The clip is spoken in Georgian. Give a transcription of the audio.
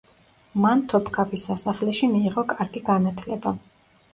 მან თოფქაფის სასახლეში მიიღო კარგი განათლება.